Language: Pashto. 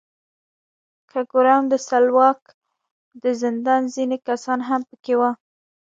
که ګورم د سلواک د زندان ځینې کسان هم پکې وو.